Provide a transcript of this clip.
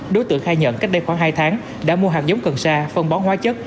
đối tượng khai nhận cách đây khoảng hai tháng đã mua hạt giống cần sa phân bón hóa chất